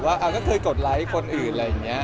ว่าก็เคยกดไลค์คนอื่นอะไรอย่างนี้